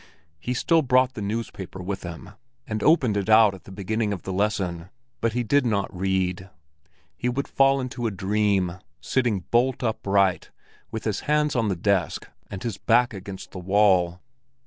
He still brought the newspaper with him, and opened it out at the beginning of the lesson, but he did not read. He would fall into a dream, sitting bolt upright, with his hands on the desk and his back against the wall.